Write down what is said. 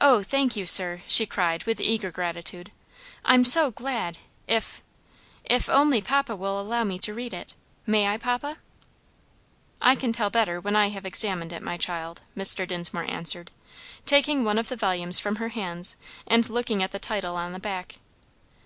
"Oh, thank you, sir!" she cried with eager gratitude, "I'm so glad, if if only papa will allow me to read it. May I, papa?" "I can tell better when I have examined it, my child," Mr. Dinsmore answered, taking one of the volumes from her hands and looking at the title on the back.